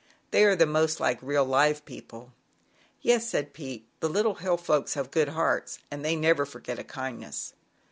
"They are the most like real live people." "Yes," said Pete, "the Little Hill Folks have good hearts, and they never forget a kindness."